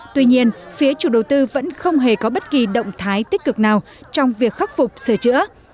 tuy nhiên phía chủ đầu tư vẫn không hề có bất kỳ động thái tích cực nào trong việc khắc phục sửa chữa